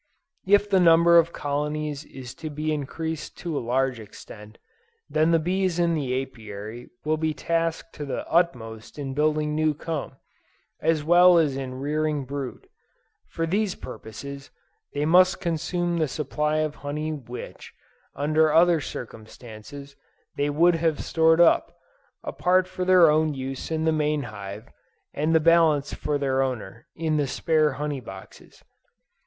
If the number of colonies is to be increased to a large extent, then the bees in the Apiary will be tasked to the utmost in building new comb, as well as in rearing brood. For these purposes, they must consume the supply of honey which, under other circumstances, they would have stored up, a part for their own use in the main hive, and the balance for their owner, in the spare honey boxes.